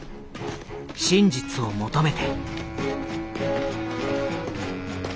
真実を求めて。